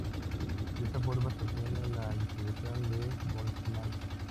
De esta forma se obtiene la distribución de Boltzmann.